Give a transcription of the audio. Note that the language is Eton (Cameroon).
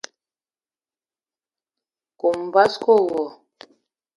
Kome basko wo.